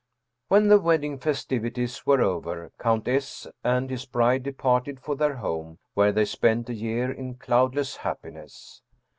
" When the wedding festivities were over, Count S. and his bride departed for their home, where they spent a year in cloudless happiness.